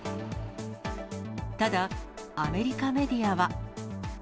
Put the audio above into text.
ただ、アメリカメディアは。